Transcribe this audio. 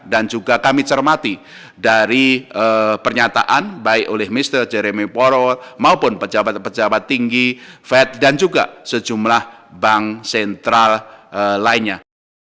dan juga kami cermati dari pernyataan baik oleh mr jeremy porow maupun pejabat pejabat tinggi fed dan juga sejumlah bank sentral lainnya